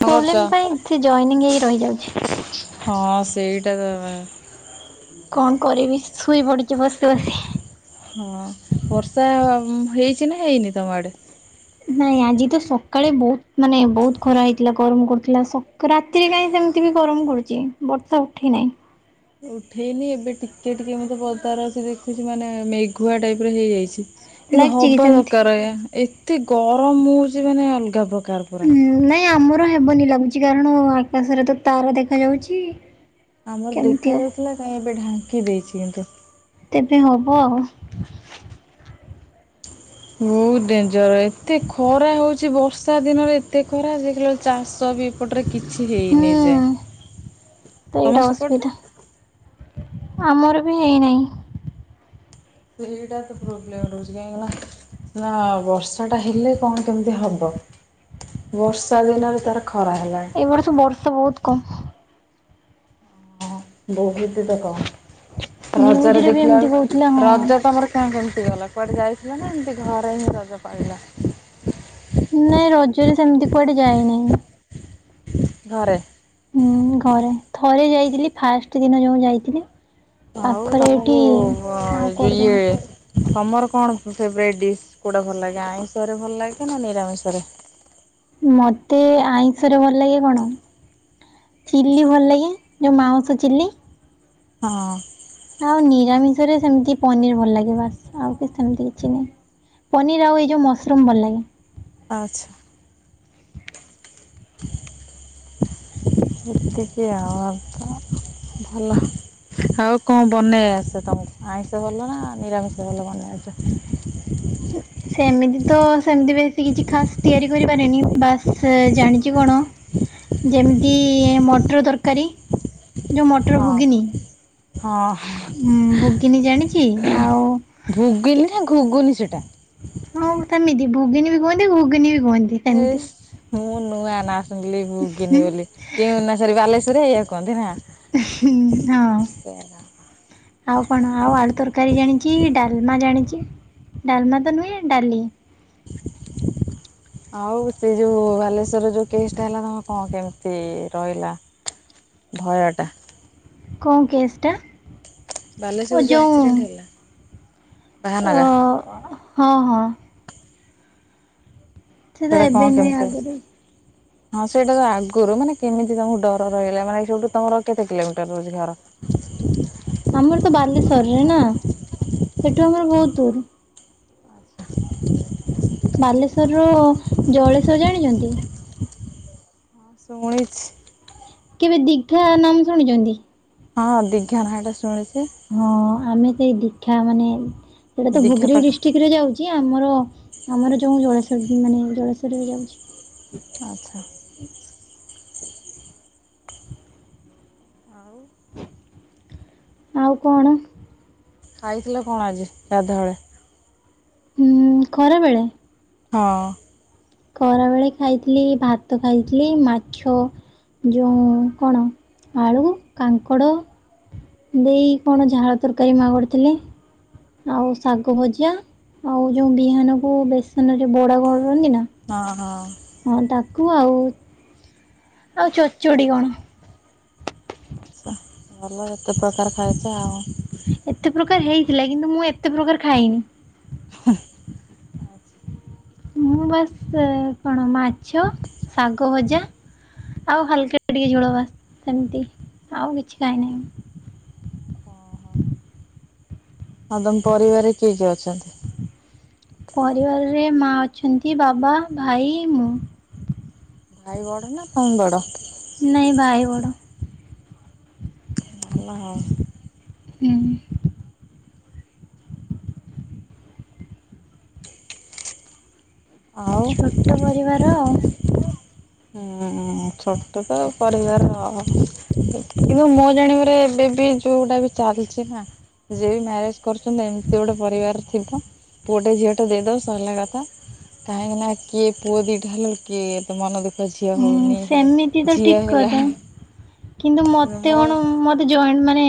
କଣ କରୁଛ? ପାଇଁ ଠି ଜଏନୀଙ୍ଗ ହେଇ ରହିଯାଉଛି। ହଁ ସେଇଟା ତ ଜୋର୍ ସୋର୍ ରେ। ହଁ ବର୍ଷା ହେଇଛି ନା ହେଇନି ତମ ଆଡେ। ନାଇଁ ଆଜି ତ ସକାଳେ ବହୁତ ମାନେ ବହୁତ ଖରା ହେଇଥିଲା ଗରମ କରୁଥିଲା ରାତିରେ କାହିଁ ସେମି ବି ଗରମ କରୁଛି ବର୍ଷା ଉଠେଇ ନାହିଁ। ଉଠେଇନି ଏବେ ଟିକେ ଟିକେ ମତେ ବଜାର ଅଛି ଦେଖୁଛି ମାନେ ମେଘୁଆ ଟାଇପ ରେ ହେଇଯାଇଛି। କିନ୍ତୁ ଲାଗିଛି କି ହବା ସେମିତି? ଦରକାର ଆଜ୍ଞା ଏତେ ଗରମ୍ ହଉଛି ମାନେ ଅଲଗା ପ୍ରକାର କାର ପରା। ଉଁ ନାଇଁ ଆମର ହେବନି ଲାଗୁଛି କାରଣ ଆକାଶରେ ତ ତାରା ଦେଖା ଯାଉଛି। ଆମର ଦେଖା ଯାଉଥିଲା କାଇହିଁ ଏବେ ଢାଙ୍କି ଦେଇଛି କିନ୍ତୁ। ତେବେ ହବ ଆଉ। ବହୁତ ଡେଞ୍ଜର ଏତେ ଖରା ହଉଛି ବର୍ଷା ଦିନରେ ଏତେ ଖରା ଯେ ଦେଖିଲାବେଳକୁ ଚାଷ ଏପଟରେ କିଛି ହୁଁ। ହେଇନି ଏଯାଏ ତ ଏଇଟା ତମ ଅସୁବିଧା ସେପଟରେ? ଆମର ବି ହେଇନାହିଁ। ସେଇଟା ତ ପ୍ରୋବ୍ଲେମ ରହୁଛି କାହିଁକି ନା ନା ବର୍ଷା ଟା ହେଲେ କଣ କେମିତି ହବ। [inaudible] ବର୍ଷା ଦିନ ରେ ତାର ଖରା ହେଲାଣି ଏଇ ବର୍ଷ ବର୍ଷା ବହୁତ କମ୍। ହଁ ବହୁତ ତ କଣ ରଜରେ ନ୍ୟୁଜରେ ବି ଦେଖିଲା ଏମିତି ବେଳ କହୁଥିଲା ହଁ। ରଜ ତ ଆମର କେଣ କେମତି? କୁଆଡେ ଯାଇଥିଲା ନା ଏମିତି ଘରେ ହିଁ ରଜ ପାଳିଲ? ନାଇଁ ରଜରେ ସେମିତି କୁଆଡେ ଯାଇନି। ଘରେ ହୁଁ ଘରେ ଥରେ ଯାଇଥିଲି ଫାଷ୍ଟ ଦିନ ଯୋଉ ଯାଇଥିଲି। ହଉ ପାଖରେ ଏଠି ତମକୁ ଆଉ ଯ କୁଆଡେ ଇଏ ଯାଇନି ତମର କଣ ଫେବରାଇଟ ଡିସ୍ କୋଉଟା ଭଲ ଲାଗେ ଆଇଁଷରେ ଭଲ ଲାଗେ କେ ନା ନିରାମିଷରେ? ମୋତେ ଆଇଁଷରେ ଭଲ ଲାଗେ କଣ? ଚିଲ୍ଲି ଭଲ ଲାଗେ ଯେଉଁ ମାଉଁସ ଚିଲ୍ଲି। ହଁ। ଆଉ ନିରାମିଷ ରେ ସେମିତି ପନିର ଭଲ ଲାଗେ ବାସ୍ ଆଉ ସେମିତି କିଛି ନାହିଁ। ପନିର ଆଉ ଏଇ ଯୋଉ ମସରୁମ ଭଲ ଲାଗେ। ଆଚ୍ଛା। [inaudible] ସେତିକି ଆଉ ଭଲ ଆଉ କଣ ବନେଇ ଆସେ ତମକୁ ଆଇଁଷ ଭଲ ନା ନିରାମିଷ ଭଲ ବନେଇ ଆସେ? ସେମିତି ତ ସେମିତି ବେଶୀ କିଛି ଖାସ୍ ତିଆରି କରିପାରେନି ବାସ୍ ଜାଣିଛି କଣ? ଯେମିତି ମଟର ତରକାରୀ ଯୋଉ ମଟର ହଁ ଗୁଗୁନି। ହଁ ହୁଁ ଭୁଗିନୀ ଜାଣିଛି ଆଉ ଭୁୋଗିନି ନା ଘୁୋଗୁନି ସେଇଟା? ହଁ ସେମିତି ମିତିି ଭୁଗୀନି ବି କୁହନ୍ତି ଘୁଗୁନୀ ବି କୁହନ୍ତି ଏ ସେମିତି ମୁଁ ନୂଆ ନା ଶୁଣିଲି ଭୁଗିନି ବୋଲି କେଉଁ ନା ସର ବା ସୁରରେଆକୁଅନ୍ତି ନା। ହ ହଁ। ସେଇଆ। ଆଉ କଣ ଆଉ ଆଳୁ ତରକାରୀ ଜାଣିଛି ଡାଲମା ଜାଣିଚ ଡ଼ାଲମା ତ ନୁଁହେ ଡାଲି ଆଉ ସେ ଯୋଉ ବାଲେଶ୍ଵରର ଯୋଉ କେସ୍ ଟା ହେଲା ତମେ କଣ କେମିତି ରହିଲା? ଭୟଟା କଣ କେସ୍ ଟା? ବାଲେଶ୍ୱର ଯୋଉ ଆକ୍ସିଡେଣ୍ଟ ହେଲା। ଅ ବାହାନଗା ହଁ ହଁ। ସେ ତ ସେଇଟା ଏବେ କଣ ନୁହେଁ କେମିତି ଆଗରୁ ହଁ ସେଇଟା ତ ଆଗରୁ ମାନେ - କେମିତି ତମକୁ ଡର ରହିଲା ମାନେ ସେଇଠୁ ତମର କେତେ କିଲୋମିଟର ରହୁଚି ଘର? ଆମର ତ ବାଲେଶ୍ଵରରେ ନା ସେଠୁ ଆମର ବହୁତ ଦୂର ବାଲେଶ୍ଵର ର ଜଳେଶ୍ଵର ଜାଣିଛନ୍ତି? ହଁ ଶୁଣିଛି। କେବେ ଦୀଘା ନାମ ଶୁଣୁଛନ୍ତି? ହଁ ଦିଘା ନାଁ ଟା ଶୁଣିଛି। ହଁ ଆମେ ତ ଏଇ ଦୀଘା ମାନେ ସେଇଟା ତ ଦୀଘା ଗୁଗ୍ରୀ ପାଖ ଡିଷ୍ଟ୍ରିକ୍ଟ ରେ ଯାଉଛି ଆମର ଆମର ଯୋଉଁ ଜଳେଶ୍ୱର ମାନେ ଜଳେଶ୍ୱର ରେ ଯାଉଛି। ଆଚ୍ଛା। ଆଉ ଆଉ କଣ? ଖାଇଥିଲ କଣ ଆଜି ଗାଧୁଆବେଳେ? ହୁଁ ଖରା ବେଳେ! ହଁ। ଖରାବେଳେ ଖାଇଥିଲି ଭାତ ଖାଇଥିଲି ମାଛ ଯୋଉଁ କଣ ଆଳୁ, କାଙ୍କଡ଼ ଦେଇ କଣ [unintelligible] ତରକାରୀ ମା କରିଥିଲେ ଆଉ ଶାଗ ଭଜା ଆଉ ଯୋଉ ବିହାନ କୁ ବେସନ ରେ ବଡା କରନ୍ତି ନା ହଁ ହଁ ହଁ ତାକୁ ଆଉ ଆଉ ଚଡଚଡ଼ି କଣ। ଆଛା ଭଲ ଏତେ ପ୍ରକାର ଖାଇଛ ଆଉ। ଏତେ ପ୍ରକାର ହେଇଥିଲା କିନ୍ତୁ ମୁଁ ଏତେ ପ୍ରକାର ଖାଇନି। ମୁଁ ବାସ୍ କଣ ମାଛ, ଶାଗ ଭଜା, ଆଉ ହାଲକା ଟିକେ ଝୋଳବାସ ସେମିତି ଆଉ କିଛି ଖାଇ ନାହିଁ ଆଉ ତମ ପରିବାରରେ କିଏ କିଏ ଅଛନ୍ତି? ରେ ମା ଅଛନ୍ତି ବାବା, ଭାଇ, ମୁଁ। ଭାଇ ବଡ ନା ତମେ ବଡ? ନାଇଁ ଭାଇ ବଡ। ଭଲ ଆଉ। ହୁଁ ହୁଁ। ହ [inaudible] ଛୋଟ ପରିବାର ଆଉ। ହୁଁ ଛୋଟ ତ ପରିବାର ଆଉ କିନ୍ତୁ ମୁଁ ଜାଣିବାରେ ଏବେ ବି ଯୋଉଟା ବି ଚାଲିଛି ନା ଯିଏ ବି ମ୍ୟାରେଜ କରୁଛନ୍ତି ଏମିତି ଗୋଟେ ପରିବାର ଥିବ ପୁଅଟେ ଝିଅଟେ ଦେଇ ଦବ ସଇଲା କଥା କାହିଁକି ନା କିଏ ପୁଅ ଦିଇଟା ହେଲକୁ କିଏ ଏତେ ମନ ଦୁଃଖ ତ ଝିଅ ହୁଁ ହଉନି ସେମିତି ଫୁଣି ତ ଝିଅ ଠିକ ହେଲା। କଥା। କିନ୍ତୁ ମତେ ମୋ କଣ ମତେ ଜଏଣ୍ଟ ମାନେ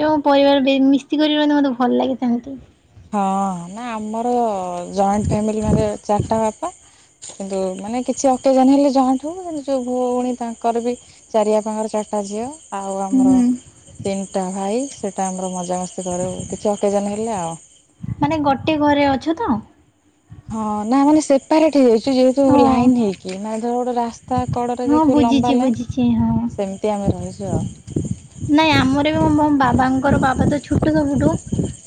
ଯୋଉ ପରିବାର ଟିକେ ମିସ୍ତି କରିବା ନା ମୋତେ ଭଲ ଲାଗେ ସେମିତି ହଁ ନା ଆମର ଜଏଣ୍ଟ ଫ୍ୟାମିଲି ମାନେ ଚାରିଟା ବାପା କିନ୍ତୁ ମାନେ କିଛି ଅକେଜନ ହେଲେ ଯହାଠୁ କୁ ଯୋଉ ଭୁଅ ଭଉଣୀ ତାଙ୍କର ବି ଚାରିଆପାଙ୍କର ଚା ଟା ଝିଅ ଆଉ ଆମର ହୁଁ ତିନିଟା ଭାଇ। ସେଇ ଟାଇମ୍ ରେ ମଜାମସ୍ତି କରୁ କିଛି ଅକେଜନ ହେଲେ ଆଉ ମାନେ ଗୋଟେ ଘରେ ଅଛ ତ? ହଁ ନା ମାନେ ସେପାରେଟ ହେଇଯାଇଛୁ ଯେହେତୁ ଓ ଲାଇନ୍ ହେଇକି ନା ଧ ଗୋଟେ ରାସ୍ତା। ତା କଡରେ ହଁ ଦେଖିବୁ ଲମ୍ବା ବୁଝିଛି ବୁଝିଛି ହଁ। ଲାଇନ ସେମିତି ଆମେ ରହିଛୁ ଆଉ। ନାଇଁ ଆମର ବି ବାବାଙ୍କର ବାବା ତ ଛୋଟ ସବୁଠୁ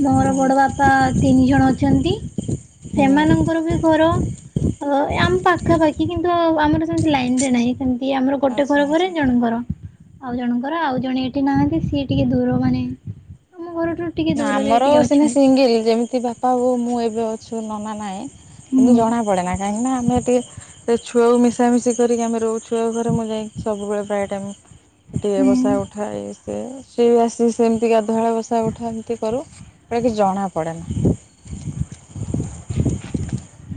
ମୋର ହୁଁ ବଡ ବାପା ତିନି ଜଣ ଅଛନ୍ତି। ହୁଁ ସେମାନଙ୍କର ବି ଘର ଆ ଆମ ପାଖାପାଖି କିନ୍ତୁ ଆମର ସେମତି ଲାଇନରେ ନାହିଁ। ସିଏ ଆମର ଗୋଟେ ଆଚ୍ଛା ଘର ପରେ ଆଚ୍ଛା। ଜଣଙ୍କର ଆଉ ଜଣଙ୍କର ଆଉ ଜଣେ ଏ ନାହାନ୍ତି ସିଏ ଟିକେ ଦୂର ମାନେ ଆମ ଘର ନା ଆମର ସିନା ସିଙ୍ଗିଲ୍ ଯେମିତି ବାପା ବୋଉ ମୁଁ ଏବେ ଅଛୁ ନନା ନାଇ। ହୁଁ କିନ୍ତୁ ଜଣା ପଡେନା କାହିଁକି ନା ଆମେ ଟିକେ ସେ ଛୁଆକୁ ମିଶାମିଶି କରିକି ଆମେ ରହୁ ଛୁଆ ଘରେ ମୁଁ ଯାଇକି ସବୁବେଳେ ପ୍ରାୟ ଟାଇମ୍ ଟିକେ ହୁଁ ବସା ଉଠାଏ ସେ ସିଏ ଆସି ସେମତି ଗାଧୁଆଳ ବସା ଉଠା କରୁ କିଛି ଜଣା ପଡ଼େ ନା। [inaudible]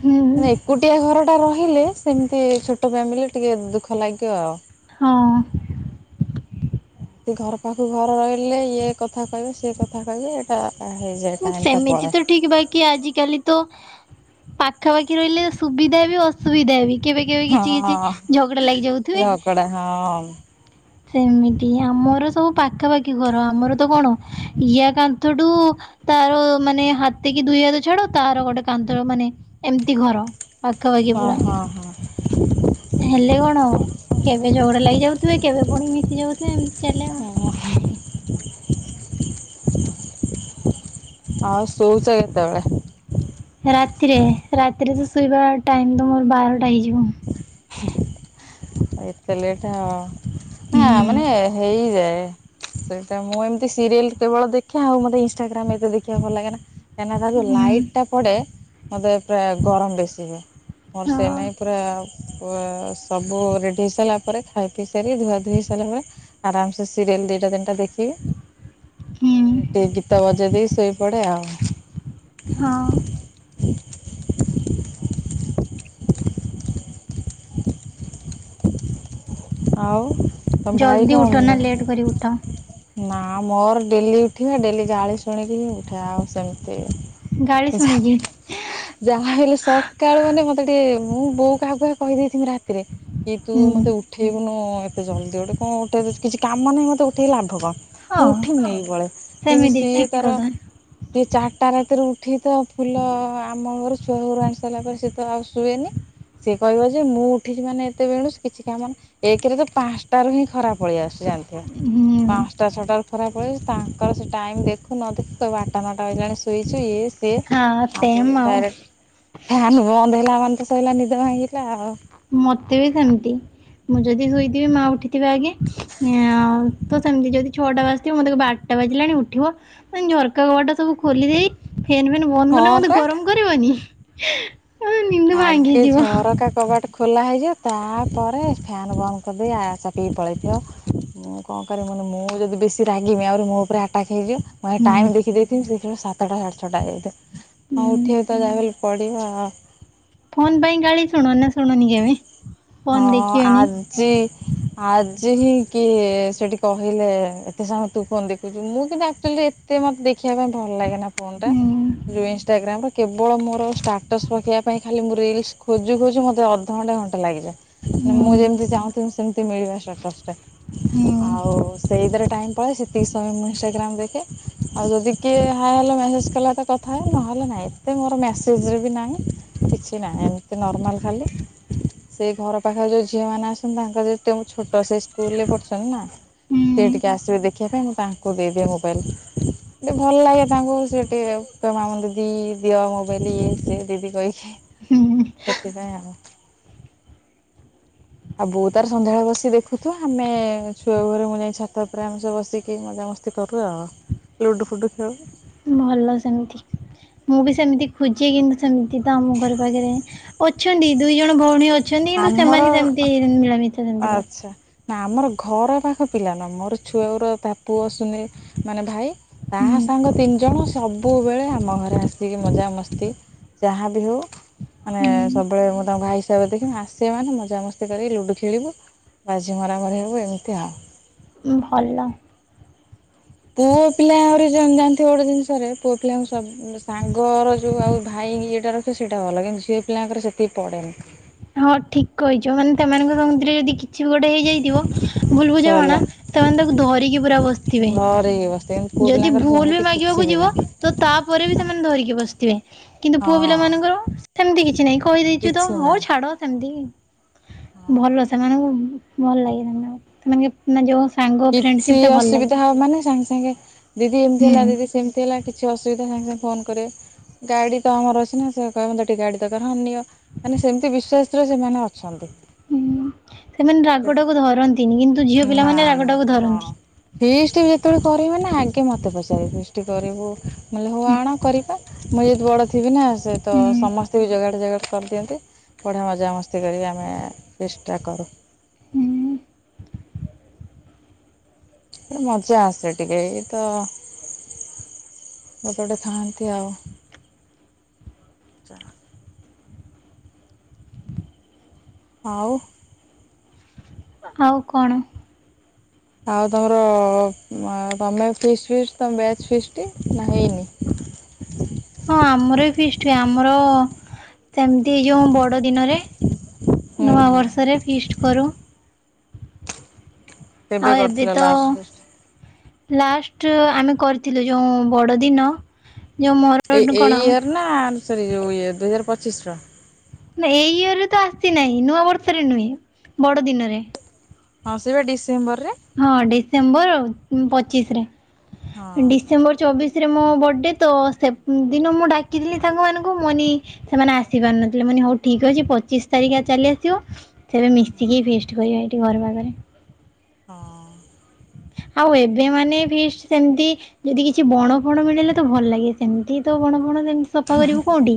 ହୁଁ ମାନେ ଏକୁଟିଆ ଘର ଟା ରହିଲେ ସେମିତି ଛୋଟ ଫ୍ୟାମିଲି ଟିକେ ଦୁଃଖ ଲାଗିବ ଆଉ ହଁ। ଏମିତି ଘର ପାଖକୁ ଘରେ ରହିଲେ ଇଏ କଥା କହିବେ ସିଏ କଥା କହିବେ ଏଇଟା ହେଇଯାଏ ଟାଇମ୍ ଟା ସେମିତି ପଳାଏ। ତ ଠିକ ବାକି ଆଜିିକାଲି ତ ପାଖାପାଖି ରହିଲେ ସୁବିଧା ବି ଅସୁବିଧା ବି କେବେ କେବେ କିଛି ହଁ କିଛି ଝଗଡ଼ା ଲାଗି ଯାଉଥିବେ। ଝଗଡ଼ା ହଁ। ସେମିତି ଆମର ସବୁ ପାଖାପାଖି ଘର ଆମର ତ କଣ ଇଆ କାନ୍ଥଠୁ ତାର ମାନେ ହାତକି ଦୁଇ ହାତ ଛାଡ ତାର ଗୋଟେ କାନ୍ଥର ମାନେ ଏମିତି ଘର। ପାଖପାଖି ହଁ ପୁରା ହଁ [inaudible] ହେଲେ କଣ ହବ କେବେ ଝଗଡ଼ା ଲାଗିଯାଉଥିବେ। ଏ ପୁଣି ମିଶି ଯାଉଥିବ ଏମତି ଚାଲେ ହଁ ଆଉ। [inaudible] [inaudible] ଆଉ ଶଉଛ କେତେବେଳେ? ରାତିରେ ରାତିରେ ତ ଶୋଇବା ଟାଇମ ତ ମୋର ବାରଟା ହେଇଯିବ। [inaudible] ଏତେ ଲେଟ୍ ଆଉ। ହୁଁ ହଁ ମାନେ ହେଇଯାଏ। ସେଇଟା ମୁଁ ଏମତି ସିରିଏଲ କେବଳ ଦେଖେ ଆଉ ମତେ ଇଷ୍ଟାଗ୍ରାମ ଏତ ଦେଖିବାକୁ ଭଲ ଲାଗେ ନା। କାହିଁକିନା ତାକୁ ହୁଁ ଲାଇଟ୍ ଟା ପଡେ ମତେ ପୁରା ଗରମ ବେଶୀ ହୁଏ ମୋର ସେ ହଁ ନେଇାଇ ସବୁ ରେଡି ହେଇ ସାରିଲାପରେ ଖାଇପି ସାରି ଧୁଆଧୁଇ ସାରିଲା ପରେ ଆରମ ସେ ସିରିଏଲ ଦିଟା ତିନଟା ଦେଖିବି। [inaudible] ଟିକେ ଗୀତ ବଜେଇ ଦେଇେକି ଶୋଇପଡେ ଆଉ। ହଁ। ଆଉ ତମ ଭାଇ ଜଲ୍ଦି ଉଠ କଣ ନା ଲେଟ କରି ଉଠ। ନା ମୋର ଡେଲି ଉଠିବା ଡେଲି ଗାଳି ଶୁଣିକିି ଉଠେ ଆଉ ସେମିତି ଗାଳି ଶୁଣିଛି ଯାହା ହେଲେ ସକାଳୁମାନେ ତ ଟେ ମୁଁ ବୋଉ କାହାକୁ କାହା କହିଦେଇିଥିବି ରାତିରେ କି ତୁ ହୁଁ ମତେ ଉଠ ହଁ ଏତେ ଜଲଦି ଗୋଟେ କଣ ଉଠେ କିଛି କାମହିଁ ମତେ ଉୋଠେଇ ଲାଭ କଣ? ହଁ ମୁଁ ଉଠିମିନି କି ବଳେ କିନ୍ତୁ ସେମିତି ସିଏ ଠିକ ତାର କଥା। ସି ଚାରିଟା ରାତିରେ ଉ ଏଠି ତ ଫୁଲ ଆମଘରୁ ଛୁଆଉଘରୁ ଆଣିସାରିଲା ପରେ ସେ ତ ଆଉ ଶୁଏନି। ସେ କହିବ ଯେ ମୁଁ ଉଠିଛି ମାନେ ଏତେବେଣୁଶୁ କିଛି କାମ ନାହିଁ। ଏକରେ ତ ପାଞ୍ଚଟ ର ହିଁ ଖରାପ ପଳେଇଆସୁଛି ଜାଣିଥିବ ହୁଁ ପାଞ୍ଚଟା ଛଅଟ ର ଖରାପଲେଇ ଆସୁଛି ତାଙ୍କର ସେ ଟାଇମ୍ ଦେଖୁ ନ ଦେଖୁ କହିବ ଆଟା ନଅଟା ବାଜିଲାଣି ଶୋଇଚୁ ଇଏ ସିଏ। ହଁ ସି ଆଉ ସେମ୍ ଡାଇରେକ୍ଟ ଫ୍ୟାନ୍ ବନ୍ଦବହେଲାମାନେ ତ ସୋଇଲା ନିଦ ଭାଙ୍ଗିଲା ଆଉ। ମତେ ବି ସେମିତି ମୁଁ ଯଦି ଶୋଇଥିବି ମା ଉଠିଥିବେ ଆଗେ ତ ସେମିତି ଯଦି ଛଅଟା ବାଜିଥିବ ମତେ କହିବେ ଆଟ ଗଟ ବାଜିଲାଣି ଉଠିବ ଝରକା କବାଟ ସବୁ ଖୋଲି ଦେଇ ଫେନ୍ ଫେନ୍ ବନ୍ଦ କଲେ ହଁ ମୋତେ ପା। ଗରମ କରିବନି। ହଁ ନିଦ ଆଗେ ଭାଙ୍ଗିଯିବ ଝରକା କବାଟ ଖୋଲା ହେଇଯିବ ତାପରେ ଫ୍ୟାନ୍ ବନ୍ଦ କରିଦେଇ ଆ ଚାପିକି ପଳେଇଥିବ। ମୁଁ କଣ କରିବିନି ମୁଁ ଯଦି ବେଶୀ ରାଗିମି ଆହୁରି ମୋ ଉପରେ ଆଟାକ୍ ହେଇଯିବ। ମୁଁ ହୁଁ। ଟାଇମ ଦେଖିଦେଇଥିମି ସେତେବେଳେ ସାତଟା ସାଢେଛଅଟା ହେଇଯାଇଥିବ ହଉ ହୁଁ ଉଠେଇ ତ ଯା ପଡ଼ିବ ଆଉ। ଫୋନ୍ ପାଇଁ ଗାଳି ଶୁଣ ନା ଶୁଣୁନି କେବେ? ଫୋନ୍ ହଁ ଦେଖିବନି ଆଜି ଆ ହିଁ କି ସେଠି କହିଲେ ଏତେ ସମୟ ତୁ କଣ ଦେଖୁଛୁ ମୁଁ କିନ୍ତୁ ଆକ୍ଚୁଆଲି ଏତେ ମତେଖ ଦେଖିବା ପାଇଁ ଭଲ ଲାଗେ ନା ଫୋନ୍ଟା ହୁଁ ଯଉ ଇନ୍ଷ୍ଟଗ୍ରାମ କେବଳ ମୋର ଷ୍ଟାଟସ୍ ପକେଇବା ପାଇଁ ଖାଲି ମୁଁ ରିଲ୍ସ ଖୋଜୁ ଖୋଜୁ ମୋତେ ଅଧଘଣ୍ଟା ଘଣ୍ଟା ଲାଗିଯାଏ। ହୁଁ ମୁଁ ଯେମିତି ଚାହୁଁଥିବି ସେମତି ମିଳିବା ହୁଁ ଷ୍ଟାଟସଟା ଆଉ ସେଇଥିରେ ଟାଇମ ପଲାଏ ସେତିକି ସମୟ ମୁଁ ଇନ୍ଷ୍ଟଗ୍ରାମ ଦେଖେ ଆଉ ଯଦି କିଏ ହାଏ ହେଲୋ ମେସେଜ କଲା କଥା ହଏ ନହେଲେ ନାଇ। ଏତେ ମୋର ମେସେଜେ ବି ନାହିଁ କିଛି ନାହିଁ ଏମିତି ନର୍ମାଲ୍ ଖାଲି। [inaudible] ସେ ଘର ପାଖରେ ଯେଉଁ ଝିଅମାନେ ଆସଛନ୍ତି ତାଙ୍କର ଯେ ଛୋଟ ସେ ସ୍କୁଲରେ ପଢ଼ଛନ୍ତି ନା ହୁଁ ସେ ଟିକେ ଆସିବେ ଦେଖିବା ପାଇଁ ମୁଁ ତାଙ୍କୁ ଦେଇଦିଏ ମୋବାଇଲ। ଟିକେ ଭଲ ଲାଗେ ତାଙ୍କୁ ସେ ଟିକେ କହିବେ ମାମୁଁନି ଦିଦି, ଦିଅ ଟିକେ ମୋବାଇଲ, ଇଏ ସିଏ ଦିଦି କହିକି ହୁଁ ସେଥିପାଇଁ ଆଉ ଆଉ ବଉ ତାର ସନ୍ଧ୍ୟାଵେଳେ ବସି ଦେଖୁଥିବ, ଆମେ ଛୁଆ ବୋଉଘରେ ମୁଁ ଯାଇ ଛାତ ଉପରେ ଆମେ ସବୁ ବସିକି ମଜା ମସ୍ତି କରୁ ଆଉ ଲୁଡ଼ୁଫୁଡ଼ୁ ଖେଳୁ। ଭଲ ସେମିତି ମୁଁ ବି ସେମିତି ଖୋଜେ କିନ୍ତୁ ସେମିତି ତ ଆମ ଘର ପାଖରେ ଅଛନ୍ତି ଦୁଇ ଜଣ ଭଉଣୀ ଅଛ ଅଛନ୍ତି କିନ୍ତୁ ସେମାନେ ଆମର ସେମିତି ନିଳାମିତ ଆଚ୍ଛା। ନା ଆମର ଘର ପାଖ ପିଲା ନ ମୋର ଛୁଆଗୁରା ତା ପୁଅ ଶନି ମାନେ ମୋର ଭାଇ ତା ହୁଁ ମା ସାଙ୍ଗ ତିନି ଜଣ ସବୁବେଳେ ଆମ ଘରେ ଆସିକି ମଜାମସ୍ତି ଯାହା ବିି ହେଉ ମାନେ ହୁଁ ସବୁବେଳେ ମୁଁ ତାଙ୍କ ଭାଇ ହିସାବରେ ଦେଖିମି ଆସିବେ ମାନେ ମଜାମସ୍ତି କରି ଲୁଡୁ ଖେ ଳିବୁ ବାଜି ମରାମରି ହେବୁ ଏମିତି ଆଉ ଭଲ। ପୁଅ ପିଲା ଆହୁରି ଜାଣିଥିବ ଗୋଟେ ଜିନିଷରେ ପୁଅ ପିଲାଙ୍କୁ ସବ ସାଙ୍ଗର ଯୋଉ ଆଉ ଭାଇ। ଏ ଯିଟା ରଖିବ ସେଇଟା ଭଲ କିନ୍ତୁି ଝିଅ ପିଲାଙ୍କର ସେତିକି ପଡେନି। ହଁ ଠିକ କହିଛ ମାନେ ସେମାନଙ୍କ ସମୁଦରେ ଯଦି କିଛି। କିଛି ଗୋଟେ ହେଇଯାଇଥିବ ଭୁଲ ବୁଝାମଣା ସରିଲା ସେମାନେ ତାକୁ ଧରିକି ପୁରା ବସିଥିବେ। ଘରେ ଇଏ ବସିଥିବେ କିନ୍ତୁ ପୁଅ ଯଦି ପିଲାଙ୍କର ଭୁଲ ବି ସେମିତି କିଛି ମାଗିବାକୁ ବି ଯିବ ନାହିଁ ତ ତାପରେ ବି ସେମାନେ ଧରିକି ବସିଥିବେ। କିନ୍ତୁ ପୁଅ ପିଲା ହଁ। ମାନଙ୍କର ସେମିତି କିଛି ନାହିଁ କହିଦେଇଛୁ ତ କିଛି ହଉ ନାହିଁ। ମତି ଭଲ ହଁ। ସେମାନଙ୍କୁ ଭଲ ଲାଗେ ସେମାନଙ୍କୁ ସେ ଯଉ। [unintelligible] କିଛି ଅସୁବିଧା ହବ ମାନେ ସାଙ୍ଗେ ସାଙ୍ଗେ ଦିଦି ଏମିତି ହୁଁ। ହେଲା, ଦିଦି ସେମିତି ହେଲା, କିଛି ଅସୁବିଧା ସାଙ୍ଗେ ସାଙ୍ଗେ ଫୋନ କରିବେ। ଗାଡି ତ ଆମର ଅଛି ନା ସେ କହିବେ ମତେ ଟିକେ ଗାଡି ଦରକାର ହଁ ନିଅ ମାନେ ସେମିତି ବିଶ୍ଵାସରେ ସେମାନେ ଅଛନ୍ତି। ହୁଁ ସେମାନେ ରାଗ ଟାକୁ ଧରନ୍ତିନି କିନ୍ତୁ ଝିଅ ପିଲାମାନେରାଗ ଟାକୁ ଧରନ୍ତି। ଫିସ୍ଟି ବି ଯେତେବେଳେ କରିବେ ନା ଆଗେ ମତେ ପଚାରିବେ ଫିଷ୍ଟି କରିବୁ ମୁଁ କହିଲି ହଉ ଆଣ କରିବା ମୁଁ ଯଦି ବଡ଼ ଥିବି ନା ସେହିତ ହୁଁ। ସମସ୍ତେ ବି ଜାଗାରେ [unintelligible] କରିଦିଅନ୍ତି ବଢ଼ିଆ ମଜାମସ୍ତି କରିକି ଆମେ ଫିଷ୍ଟଟା କରୁ। ହୁଁ। ଏଟା ମଜା ଆସେ ଟିକେ ତ ଗୋଟେ ଗୋଟେ ଥାନ୍ତି ଆଉ ଯା ଆଉ। ଆଉ କଣ। ଆଉ ତମର ତମେ ଫିଷ୍ଟ ଫିଷ୍ଟ ତମର ବ୍ୟାଚ ଫିଷ୍ଟ ନା ହେଇନି। ହଁ ଆମର ବି ଫିଷ୍ଟ ହୁଏ ଆମର ସେମିତି ଏ ଯୋଉ ବଡ ଦିନରେ। ହୁଁ ନୂଆ ହୁଁ ବର୍ଷରେ ଫିଷ୍ଟ କରୁ। କେବେ ଆଉ ଏବେ କରିଥିଲ ତ ଲାଷ୍ଟ ଫିଷ୍ଟ? ଲାଷ୍ଟ ଆମେ। କରିଥିଲୁ ଯେଉଁ ବଡ଼ଦିନ। ଯୋଉ ଏ ମୋର କଣ ଏଇ ଇର ନା ଯୋଉ ସରି ଇଏ ଦୁଇ ହଜାର ପଚିଶ ର। ନା ଏଇ ଇୟରରେ ତ ଆସି ନାହିଁ ନୂଆ ବର୍ଷରେ ନୁହେଁ ବଡ ଦିନରେ। ହଁ ସେଇ ବା ଡିସେମ୍ବର ରେ। ହଁ ଡିସେମ୍ବର ପଚିଶ ହଁ ରେ ଡିସେମ୍ବର ଚବିଶ। ରେ ମୋ ବର୍ଥ ଡେ ତ ସେ ଦିନ ମୁଁ ଡାକିଥିଲି ସାଙ୍ଗ ମାନଙ୍କୁ ମୁଁ କହିନି ସେମାନେ ଆସି ପାରିନଥିଲେ ମାନେ। ହଉ ଠିକ ଅଛି ପଚିଶ ତାରିଖ ଚାଲି ଆସିବ। ସେବେ ମିଶିକି ଫିଷ୍ଟ କରିବା ଏଇଠି ଘର ପାଖରେ। ହଁ ଆଉ ଏବେ ମାନେ ଫିଷ୍ଟ ସେମିତି ଯଦି କିଛି ବଣ ଫଣ ମିଳିଲେ ତ ଭଲ ଲାଗେ ସେମିତି ତ ବଣ ଫ। ଣମତି ସଫା କରିବୁ କୋଉଠି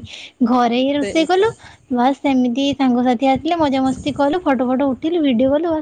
ଘରେ ହି ରୋଷେଇ ସେଇ କଲୁ ତ ବାସ ସେମିତି ସାଙ୍ଗ ସାଥି। ଏ ଆସିଲେ ମଜା ମସ୍ତି କଲୁ ଫଟ ଫଟ ଉଠେଇିଲୁ ଭିଡ଼ିଓ କଲୁ ବାସ।